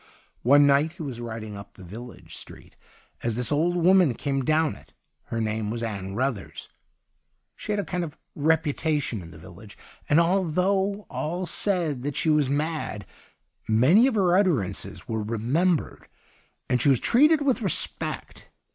One night he was riding up the village street as this old woman came down it. Her name was Ann Ruthers ; she had a kind of reputation in the village, and although all said that she was mad, many of her utter 127 THE UNDYING THING ances were remembered, and she was treated with respect.